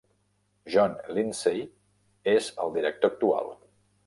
Jon Lindsay és el director actual.